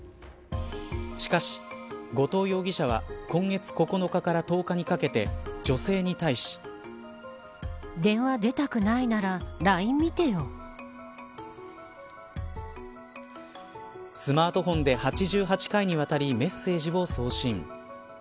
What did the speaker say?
しかし後藤容疑者は今月９日から１０日にかけて女性に対しスマートフォンで８８回にわたりメッセージを送信。